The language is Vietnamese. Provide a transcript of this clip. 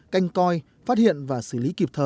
canh coi phát hiện và xử lý kịp thờ